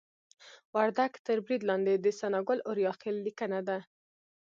وردګ تر برید لاندې د ثناګل اوریاخیل لیکنه ده